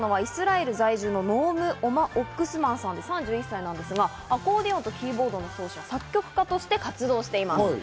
まず手がけたのはイスラエル在住のノーム・オックスマンさん３１歳なんですが、アコーディオンとキーボードの奏者・作曲家としても活動しています。